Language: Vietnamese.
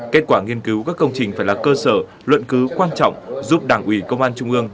kết quả nghiên cứu các công trình phải là cơ sở luận cứ quan trọng giúp đảng ủy công an trung ương